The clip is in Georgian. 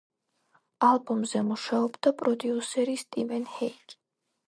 ალბომზე მუშაობდა პროდიუსერი სტივენ ჰეიგი.